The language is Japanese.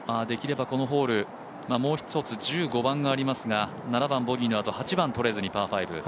できればこのホール、もう一つ１５番がありますが７番ボギーのあと、８番取れずにパー５。